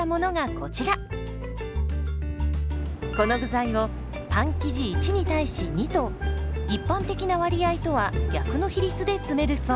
この具材をパン生地１に対し２と一般的な割合とは逆の比率で詰めるそう。